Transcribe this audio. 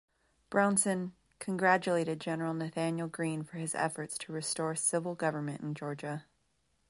Brownson congratulated General Nathanael Greene for his efforts to restore civil government in Georgia.